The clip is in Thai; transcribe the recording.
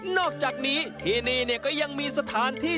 อกจากนี้ที่นี่ก็ยังมีสถานที่